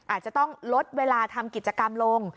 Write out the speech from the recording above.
อาจจะต้องลดเวลาทำกิจกรรมลง